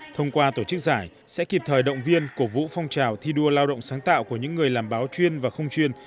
thông qua tổ chức giải sẽ kịp thời động viên cổ vũ phong trào thi đua lao động sáng tạo của những người làm báo chuyên và không chuyên